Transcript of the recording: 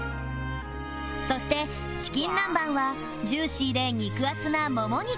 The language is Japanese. そしてチキン南蛮はジューシーで肉厚なもも肉を使用